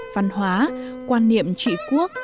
văn hóa quan niệm trị quốc